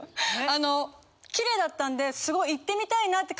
あのキレイだったんですごい行ってみたいなって。